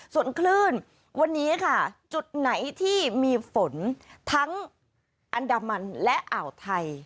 ส่วนคลื่นวันนี้ค่ะจุดไหนที่มีฝนทั้งอันดามันและอ่าวไทย